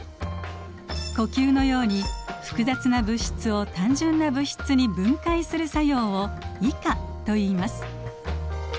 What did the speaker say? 呼吸のように複雑な物質を単純な物質に分解する作用を「異化」といいます。